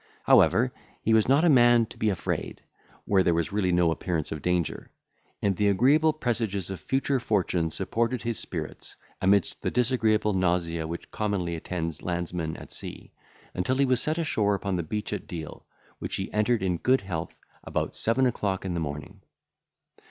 However, he was not a man to be afraid, where there was really no appearance of danger; and the agreeable presages of future fortune supported his spirits, amidst the disagreeable nausea which commonly attends landsmen at sea, until he was set ashore upon the beach at Deal, which he entered in good health about seven o'clock in the morning.